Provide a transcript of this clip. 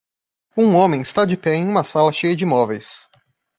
Um homem está de pé em uma sala cheia de móveis.